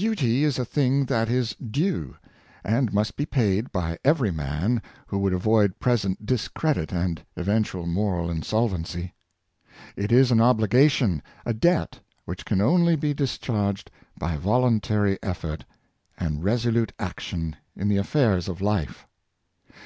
UTY is a thing that is due, and must be paid by every man who would avoid present dis credit and eventual moral insolvency. It is an obligation — a debt — which can only be dis charged by voluntary effort and resolute action in the affairs of life.